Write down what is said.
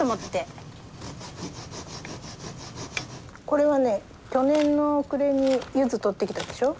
これはね去年の暮れにユズ採ってきたでしょ。